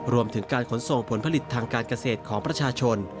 รวมถึงการขนส่งผลผลิตทางการเกษตรของประชาชน